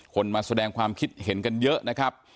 มาแสดงความคิดเห็นกันเยอะนะครับ